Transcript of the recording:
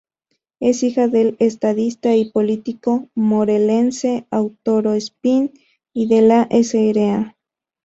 Es hija del estadista y político morelense Arturo Espín y de la Sra.